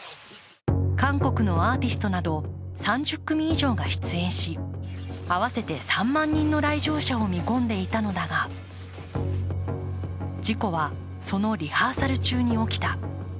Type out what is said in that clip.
韓国のアーティストなど３０組以上が出演し合わせて３万人の来場者を見込んでいたのだが事故は、そのリハーサル中に起きた。